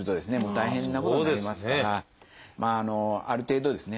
大変なことになりますからある程度ですね